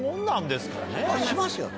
しますよね。